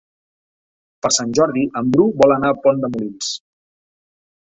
Per Sant Jordi en Bru vol anar a Pont de Molins.